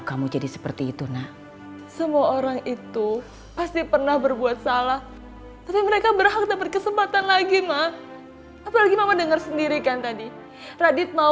kenapa semua orang nyalahin dia